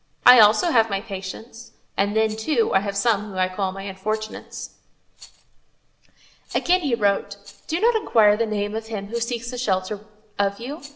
I also have my patients, and then, too, I have some whom I call my unfortunates." Again he wrote: "Do not inquire the name of him who asks a shelter of you.